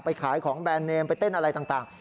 ขายของแบรนดเนมไปเต้นอะไรต่าง